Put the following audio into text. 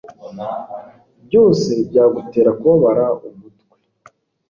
byose byagutera kubabara umutwe